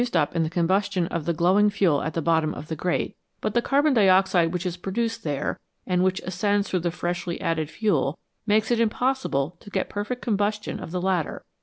PRODUCTION OF LIGHT AND HEAT up in the combustion of the glowing fuel at the bottom of the grate, but the carbon dioxide which is produced there, and which ascends through the freshly added fuel, makes it impossible to get perfect combustion of the latter.